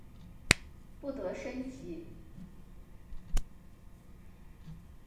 不得升级。